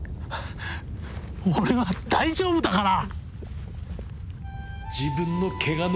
俺は大丈夫だから！